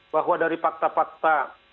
bahwa dari fakta fakta